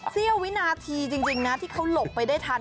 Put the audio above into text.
เสี้ยววินาทีจริงนะที่เขาหลบไปได้ทัน